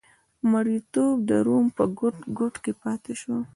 مریتوب د روم په ګوټ ګوټ کې پاتې شو.